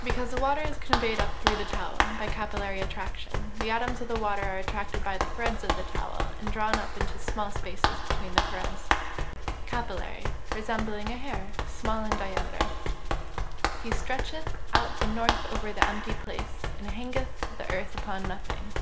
_ Because the water is conveyed up through the towel, by capillary attraction. The atoms of the water are attracted by the threads of the towel, and drawn up into the small spaces between the threads. Capillary. Resembling a hair, small in diameter. [Verse: "He stretcheth out the north over the empty place, and hangeth the earth upon nothing."